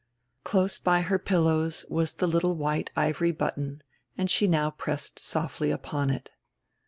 Close by her pillows was die little white ivory button, and she now pressed softly upon it.